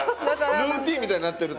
ルーティンみたいになってると？